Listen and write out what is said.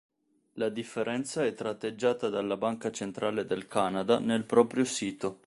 La differenza è tratteggiata dalla Banca centrale del Canada nel proprio sito.